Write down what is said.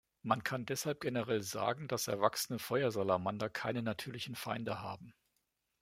Man kann deshalb generell sagen, dass erwachsene Feuersalamander keine natürlichen Feinde haben.